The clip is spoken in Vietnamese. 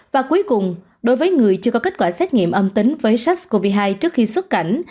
và cuối cùng đối với người chưa có kết quả xét nghiệm âm tính với sars cov hai trước khi xuất cảnh